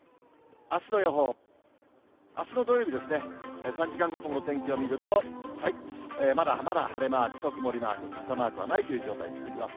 あすの予報、あすの土曜日ですね、３時間ごとのお天気を見ると、まだまだ晴れマークと曇りマーク、傘マークはないという状態続きます。